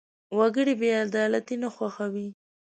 وګړي بېعدالتي نه خوښوي.